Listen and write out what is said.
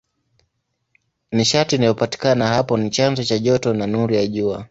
Nishati inayopatikana hapo ni chanzo cha joto na nuru ya Jua.